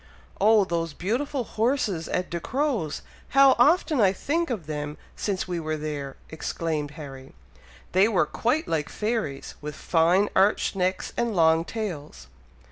"Oh! those beautiful horses at Ducrow's! How often I think of them since we were there!" exclaimed Harry. "They were quite like fairies, with fine arched necks, and long tails!"